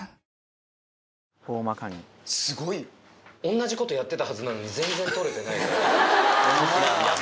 同じことやってたはずなのに全然取れてない。